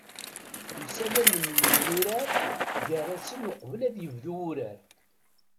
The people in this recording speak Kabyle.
Msalamen yemyurar gar-asen uqbel ad ibdu wurar.